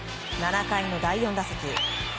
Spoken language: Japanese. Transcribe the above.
７回の第４打席。